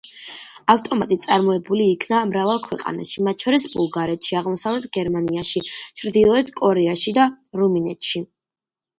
ავტომატი წარმოებული იქნა მრავალ ქვეყანაში, მათ შორის ბულგარეთში, აღმოსავლეთ გერმანიაში, ჩრდილოეთ კორეაში და რუმინეთში.